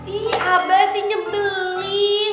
ih abah sih nyebelin